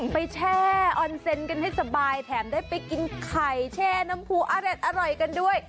แช่ออนเซ็นต์กันให้สบายแถมได้ไปกินไข่แช่น้ำพูอร่อยกันด้วย